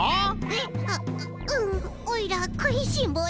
えっあっうんおいらくいしんぼうだから。